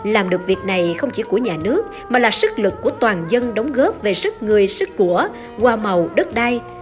làm được việc này không chỉ của nhà nước mà là sức lực của toàn dân đóng góp về sức người sức của qua màu đất đai